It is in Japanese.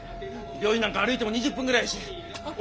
病院なんか歩いても２０分ぐらいやしお